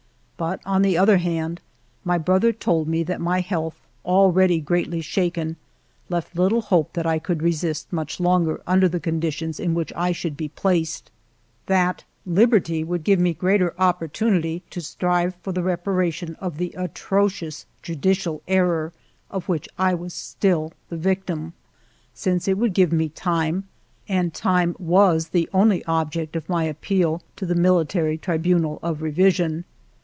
But on the other hand, my brother told me that my health, already greatly shaken, left little hope that I could resist much longer under the conditions in which I should be placed ; that liberty would give me greater oppor tunity to strive for the reparation of the atrocious judicial error of which I was still the victim, since it would give me time, and time was the only object of my appeal to the Military Tribunal of Revision.